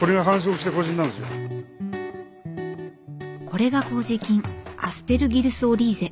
これがこうじ菌アスペルギルス・オリーゼ。